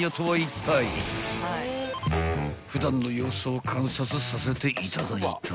［普段の様子を観察させていただいた］